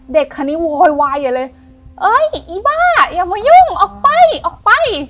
เด็กคันนี้โวยวายอย่าเลยเอ้ยอีบ้าอย่ามายุ่งออกไปออกไป